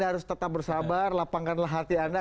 harus tetap bersabar lapangkanlah hati anda